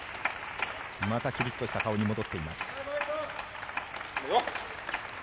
またキリッとした顔に戻っています。